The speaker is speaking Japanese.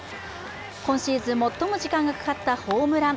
今シーズン最も時間がかかったホームラン。